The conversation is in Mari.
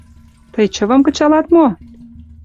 Тый чывым кычалат мо?